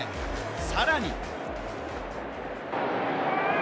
さらに。